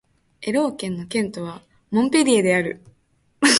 エロー県の県都はモンペリエである